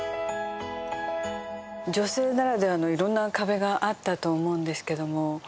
女性ならではのいろんな壁があったと思うんですけども。